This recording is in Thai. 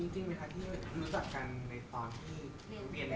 จริงไม่ค่ะ